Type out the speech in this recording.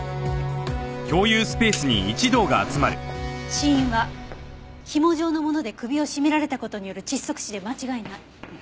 死因はひも状のもので首を絞められた事による窒息死で間違いない。